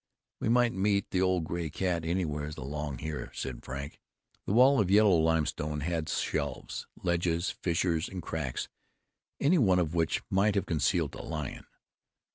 "We might meet the old gray cat anywheres along here," said Frank. The wall of yellow limestone had shelves, ledges, fissures and cracks, any one of which might have concealed a lion.